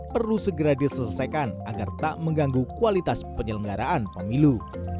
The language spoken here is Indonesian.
perlu segera diselesaikan agar tak mengganggu kualitas penyelenggaraan pemilu